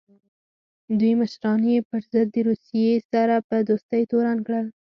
دوی مشران یې پر ضد د روسیې سره په دوستۍ تورن کړل.